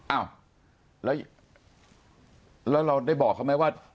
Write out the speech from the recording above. อ้าวแล้วเราได้บอกเขาไหมว่า